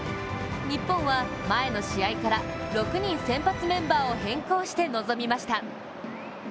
日本は前の試合から６人先発メンバーを変更して臨みました。